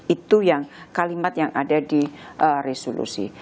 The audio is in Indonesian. itu yang kalimat yang ada di resolusi